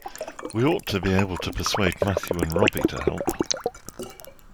We ought to be able to persuade Matthew and Robbie to help.